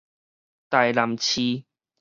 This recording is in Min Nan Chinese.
臺南市